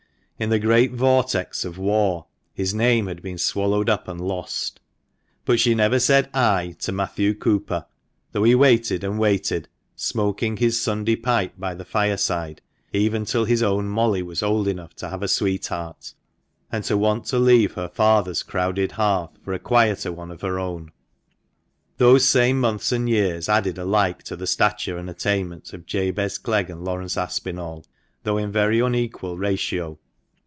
In the great vortex of war his name had been swallowed up and lost. But she never said "Ay" to Matthew Cooper, though he waited and waited, smoking his Sunday pipe by the fireside even till his own Molly was old enough to have a sweetheart, and to want to leave her father's crowded hearth for a quieter one of her own. Those same months and years added alike to the stature and attainments of Jabez Clegg and Laurence Aspinall, though in very unequal ratio.